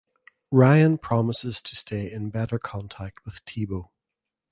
Ryan promises to stay in better contact with Tibo.